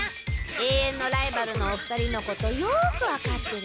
永遠のライバルのお二人のことよく分かってる。